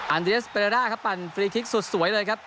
อันเดสเบรด้าครับปั่นฟรีคลิกสุดสวยเลยครับ